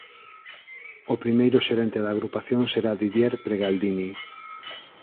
O primeiro xerente da Agrupación será Didier Pregaldiny.